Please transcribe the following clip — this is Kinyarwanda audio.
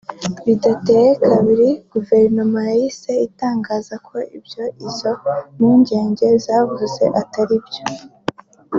Bidateye kabiri Guverinoma yahise itangaza ko ibyo izo mpuguke zavuze atari byo